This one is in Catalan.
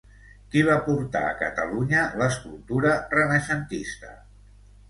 Qui va portar a Catalunya l'escultura renaixentista?